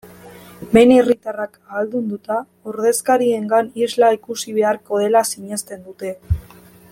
Behin herritarrak ahaldunduta, ordezkariengan isla ikusi beharko dela sinesten dute.